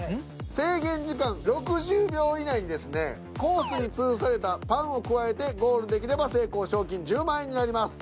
制限時間６０秒以内にですねコースにつるされたパンをくわえてゴールできれば成功賞金１０万円になります。